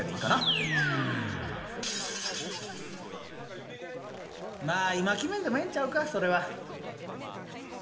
まあ今決めんでもええんちゃうかそれは。